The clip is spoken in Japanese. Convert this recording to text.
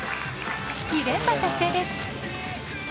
２連覇達成です。